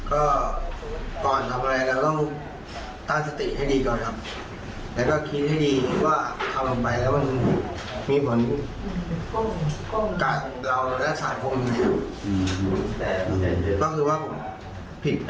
ก็ก่อนทำอะไรเราก็ต้านสติให้ดีก่อนครับ